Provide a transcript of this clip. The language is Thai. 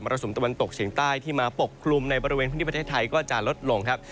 รสุมตะวันตกเฉียงใต้ที่มาปกคลุมในบริเวณพื้นที่ประเทศไทยก็จะลดลงครับ